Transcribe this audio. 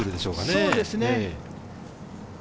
そうですね。